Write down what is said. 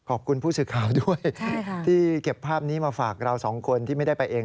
ผู้สื่อข่าวด้วยที่เก็บภาพนี้มาฝากเราสองคนที่ไม่ได้ไปเอง